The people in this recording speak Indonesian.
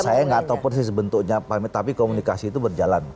saya nggak tahu persis bentuknya tapi komunikasi itu berjalan